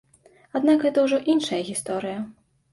Аднак гэта ўжо іншая гісторыя.